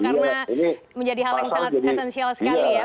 karena menjadi hal yang sangat esensial sekali ya